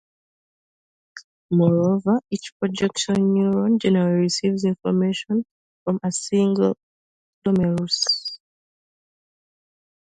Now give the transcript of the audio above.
Moreover, each projection neuron generally receives information from a single glomerulus.